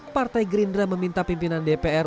partai gerindra meminta pimpinan dpr